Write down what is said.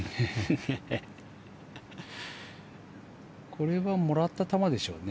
これはもらった球でしょうね。